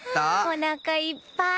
おなかいっぱい。